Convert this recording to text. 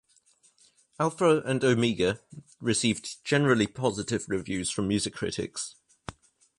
Alpha and Omega received generally positive reviews from music critics.